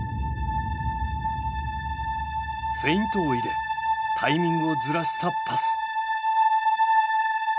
フェイントを入れタイミングをずらしたパス。